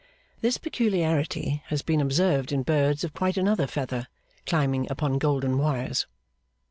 This peculiarity has been observed in birds of quite another feather, climbing upon golden wires.